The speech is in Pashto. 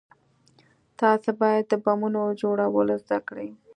تاسې بايد د بمونو جوړول زده کئ.